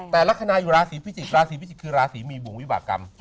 แต่ลักษณะอยู่ราศีพิจิกษราศีพิจิกคือราศีมีวงวิบากรรม